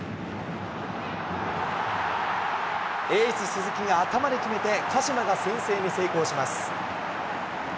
エース、鈴木が頭で決めて、鹿島が先制に成功します。